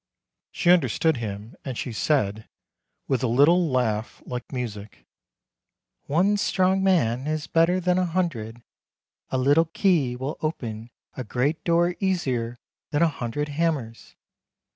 She understood him, and she said, with a little laugh like music :" One strong man is better than a hundred — a little key will open a great door easier than a hundred hammers.